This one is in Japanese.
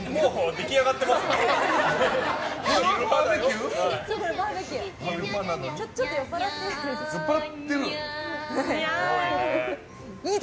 出来上がってますね。